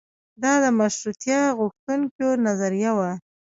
دا د مشروطیه غوښتونکیو نظریه وه.